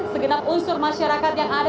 segenap unsur masyarakat yang ada